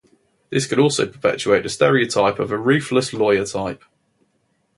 This can also perpetuate the stereotype of a ruthless lawyer type.